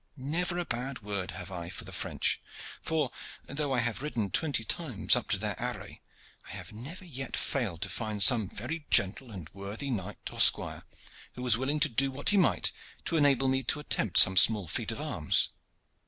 Never a bad word have I for the French, for, though I have ridden twenty times up to their array, I have never yet failed to find some very gentle and worthy knight or squire who was willing to do what he might to enable me to attempt some small feat of arms.